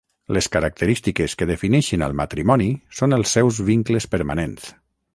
Les característiques que defineixen el matrimoni són el seus vincles permanents.